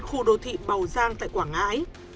khu đô thị bào giang tại quảng ngãi